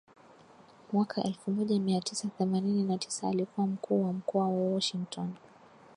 mwaka elfu moja mia tisa themanini na tisa alikuw mkuu wa mkoa wa Washington